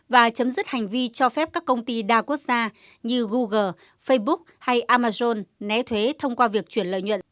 và chấm dứt hành vi cho phép các công ty đa quốc gia như google facebook hay amazon né thuế thông qua việc chuyển lợi nhuận